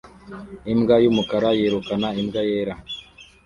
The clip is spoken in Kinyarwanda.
Imbwa yumukara yirukana imbwa yera